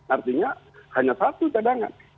artinya hanya satu cadangan